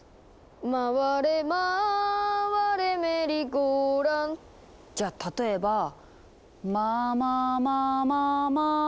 「まわれまわれメリーゴーラウンド」じゃあ例えば「ままままま」